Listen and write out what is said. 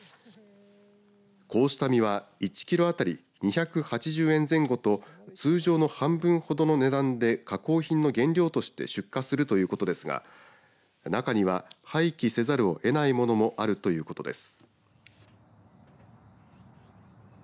こうした実は１キロ当たり２８０円前後と通常の半分ほどの値段で加工品の原料として出荷するということですが中には廃棄せざるをえないものもあるということです。